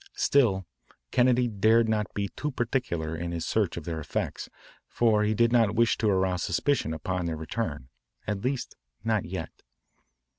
Still, Kennedy dared not be too particular in his search of their effects, for he did not wish to arouse suspicion upon their return, at least not yet.